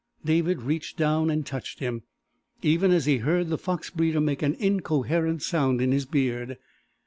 David reached down and touched him, even as he heard the fox breeder make an incoherent sound in his beard.